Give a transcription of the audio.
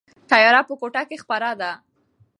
تیاره په کوټه کې خپره ده.